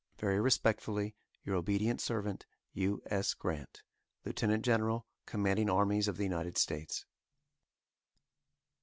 Very respectfully, Your obedient servant, U. S. GRANT, Lieut. General, Commanding Armies of the United States.